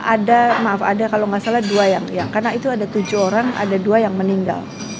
ada maaf ada kalau nggak salah dua yang karena itu ada tujuh orang ada dua yang meninggal